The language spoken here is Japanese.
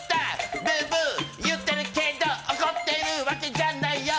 ブーブー言ってるけど怒ってるわけじゃないよ。